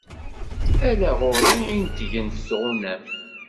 Ala ɣur-i i neṭṭgent tɣunam.